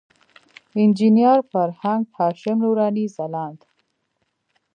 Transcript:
انجینر فرهنګ، هاشم نوراني، ځلاند.